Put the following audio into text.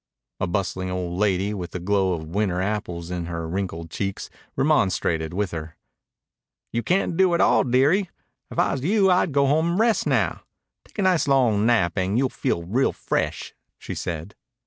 A bustling old lady with the glow of winter apples in her wrinkled cheeks remonstrated with her. "You can't do it all, dearie. If I was you I'd go home and rest now. Take a nice long nap and you'll feel real fresh," she said.